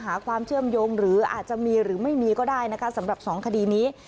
หาความเชื่อมโยงหรืออาจจะมีหรือไม่มีก็ได้นะคะสำหรับสองคดีนี้